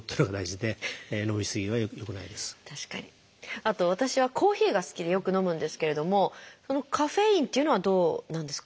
あと私はコーヒーが好きでよく飲むんですけれどもカフェインっていうのはどうなんですか。